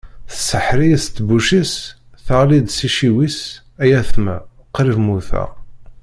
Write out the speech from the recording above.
Tseḥḥer-iyi s tebbuct-is, teɣli-d s iciwi-s, ay atma qrib mmuteɣ!